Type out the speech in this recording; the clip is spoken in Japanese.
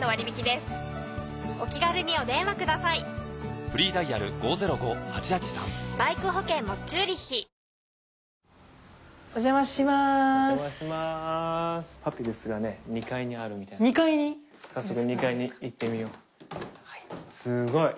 すごい。